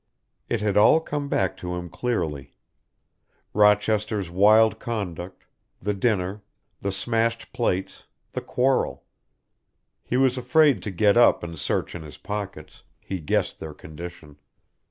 It had all come back to him clearly. Rochester's wild conduct, the dinner, the smashed plates, the quarrel. He was afraid to get up and search in his pockets, he guessed their condition.